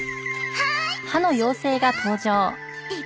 はい！